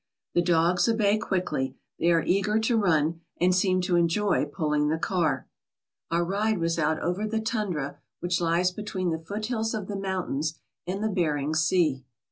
The dogs obey quickly, they are eager to run, and seem to enjoy pulling the car. Our ride was out over the tundra which lies between the 197 ALASKA OUR NORTHERN WONDERLAND foothills of the mountains and Bering Sea.